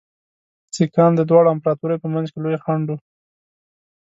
سیکهان د دواړو امپراطوریو په منځ کې لوی خنډ وو.